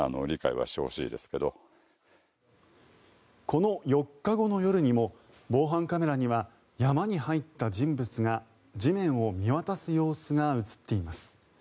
この４日後の夜にも防犯カメラには山に入った人物が地面を見渡す様子が映っています。